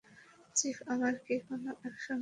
Chief, আমরা কি কোনো একশন নিবো?